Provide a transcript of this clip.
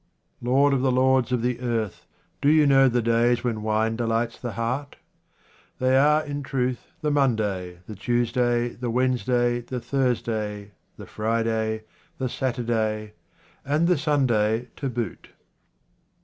Lord of the lords of the earth, do you know the days when wine delights the heart ? They are in truth the Monday, the Tuesday, the Wednesday, the Thursday, the Friday, the Saturday, and the Sunday to boot.